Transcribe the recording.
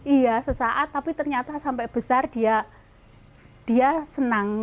iya sesaat tapi ternyata sampai besar dia senang